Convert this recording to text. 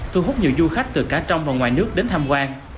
thu hút nhiều du khách từ cả trong và ngoài nước đến tham quan